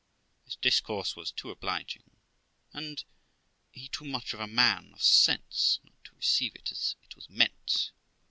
This discourse was too obliging, and he too much of a man of sense not to receive it as it was meant.